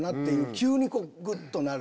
急にぐっとなる。